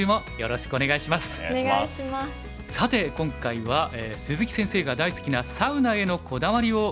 さて今回は鈴木先生が大好きなサウナへのこだわりを伺っていこうと思います。